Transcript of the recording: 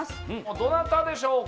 どなたでしょうか？